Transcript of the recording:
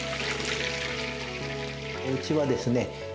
うちはですね